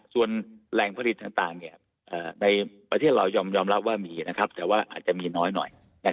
ส่วนแหล่งผลิตต่างในประเทศเรายอมรับว่ามีแต่ว่าอาจจะมีน้อยหน่อย